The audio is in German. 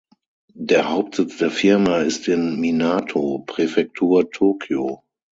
Der Hauptsitz der Firma ist in Minato, Präfektur Tokio.